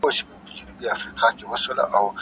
آیا پوهېږئ چې د کلسیم کمښت د غاښونو د تویدو لامل کېږي؟